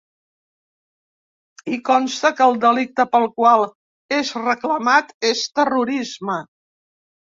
Hi consta que el delicte pel qual és reclamat és ‘terrorisme’.